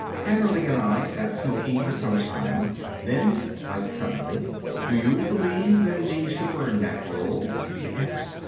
Annerly and I sat smoking for some time. Then quite suddenly— "Do you believe in the supernatural?" he asked.